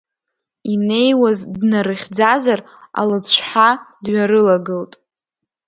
Инеиуаз днарыхьӡазар, алыцәҳа дҩарылагылт.